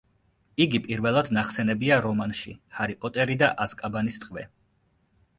იგი პირველად ნახსენებია რომანში ჰარი პოტერი და აზკაბანის ტყვე.